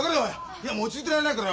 いやもう落ち着いてられないからよ